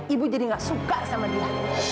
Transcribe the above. ibu jadi gak suka sama dia